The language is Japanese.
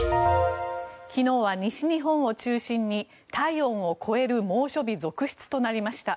昨日は西日本を中心に体温を超える猛暑日続出となりました。